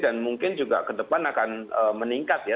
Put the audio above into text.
dan mungkin juga ke depan akan meningkat ya